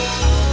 aku mau ke rumah